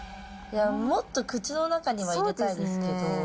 もっと口の中には入れたいですけど。